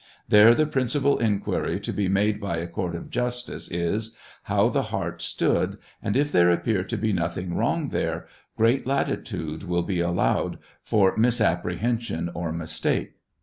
There the principal inquiry to be made by a court of justice is, how the heart stood, and if there appear to be nothing wrong there, great latitude will be allowed for misapprehension or mistake.